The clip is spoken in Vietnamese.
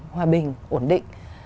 hòa bình ổn định